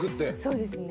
そうですね。